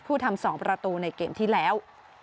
ผู้ทำสองประตูในเกมที่แล้ว